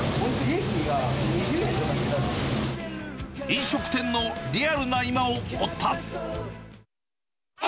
飲食店のリアルな今を追った。